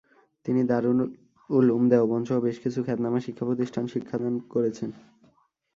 তিনি দারুল উলুম দেওবন্দসহ বেশ কিছু খ্যাতনামা শিক্ষাপ্রতিষ্ঠানে শিক্ষাদান করেছেন।